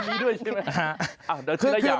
มีอันนี้ด้วยใช่ไหม